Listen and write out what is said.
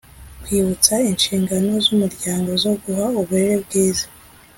Kwibutsa inshingano z umuryango zo guha uburere bwiza